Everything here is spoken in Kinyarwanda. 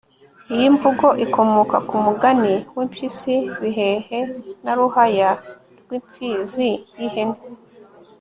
iyi mvugo ikomoka kumugani w'impyisi bihehe na ruhaya rw'imfizi y'ihene